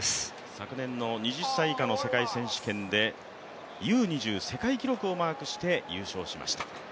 昨年の２０歳以下の世界選手権でＵ−２０世界記録をマークして優勝しました。